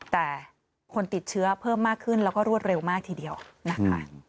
แต่คนติดเชื้อเพิ่มมากขึ้นแล้วก็รวดเร็วมากทีเดียวนะคะ